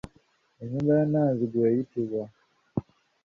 Ennyumba ya Nnanzigu eyitibwa